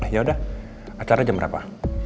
yaudah acara jam berapa